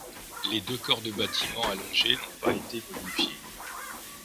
Les deux corps de bâtiment allongés n’ont pas été modifiés.